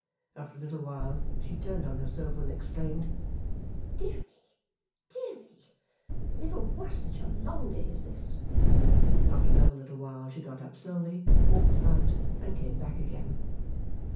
After a little while she turned on her sofa and exclaimed, 'Dear me, dear me, there never was such a long day as this!' After another little while, she got up slowly, walked about, and came back again.